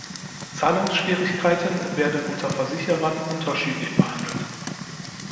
Zahlungsschwierigkeiten werden unter Versicherern unterschiedlich behandelt.